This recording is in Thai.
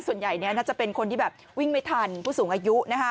ส่วนใหญ่น่าจะเป็นคนที่แบบวิ่งไม่ทันผู้สูงอายุนะคะ